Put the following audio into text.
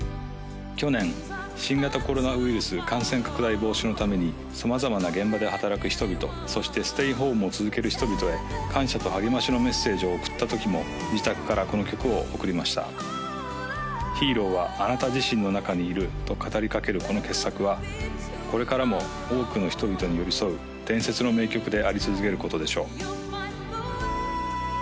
去年新型コロナウイルス感染拡大防止のために様々な現場で働く人々そしてステイホームを続ける人々へ感謝と励ましのメッセージを送ったときも自宅からこの曲を送りました「ヒーローはあなた自身の中にいる」と語りかけるこの傑作はこれからも多くの人々に寄り添う伝説の名曲であり続けることでしょう